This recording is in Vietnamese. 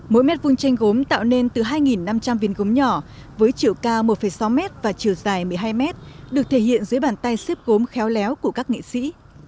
mỗi mét vuông tranh gốm tạo nên từ hai năm trăm linh viên gốm nhỏ với chiều cao một sáu mét và chiều dài một mươi hai mét được thể hiện dưới bàn tay xếp gốm khéo léo của các nghệ sĩ